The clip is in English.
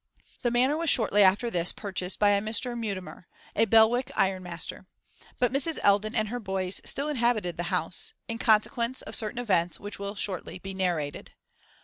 The Manor was shortly after this purchased by a Mr. Mutimer, a Belwick ironmaster; but Mrs. Eldon and her boys still inhabited the house, in consequence of certain events which will shortly be narrated.